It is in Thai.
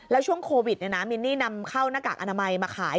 แล้วช่วงโควิดมินนี่นำเข้าหน้ากากอนามัยมาขาย